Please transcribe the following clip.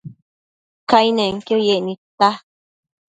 Cainenquio yec nidta